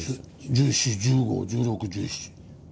１４１５１６１７。